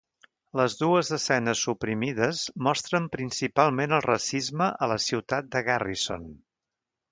Les dues escenes suprimides mostren principalment el racisme a la ciutat de Garrison.